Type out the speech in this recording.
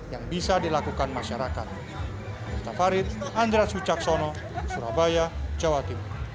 yang bisa dilakukan masyarakat